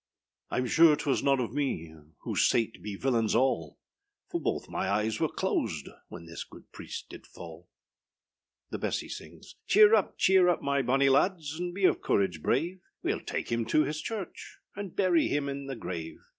Iâm sure âtwas none of me, Who sayât be villains all; For both my eyes were closed When this good priest did fall. The BESSY _sings_â Cheer up, cheer up, my bonny lads, And be of courage brave, Weâll take him to his church, And bury him in the grave.